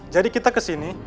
jadi kita kesini